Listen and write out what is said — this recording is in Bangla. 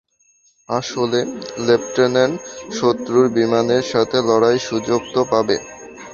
আসলে, লেফট্যানেন্ট, শত্রুর বিমানের সাথে লড়ার সুযোগ তো পাবে।